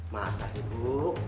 masa sih bu